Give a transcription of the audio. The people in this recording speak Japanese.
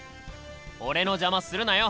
俺の邪魔するなよ？